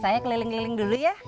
saya keliling keliling dulu ya